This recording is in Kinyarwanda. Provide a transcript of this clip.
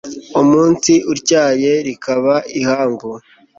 umunsi utyaye rikaba ihangu